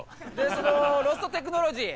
そのロストテクノロジー